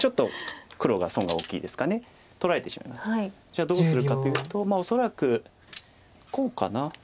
じゃあどうするかというと恐らくこうかな？